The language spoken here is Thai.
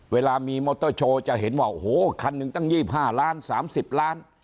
เวลามีมอเตอร์โชว์จะเห็นว่าโอ้โหคันหนึ่งตั้ง๒๕ล้าน๓๐ล้าน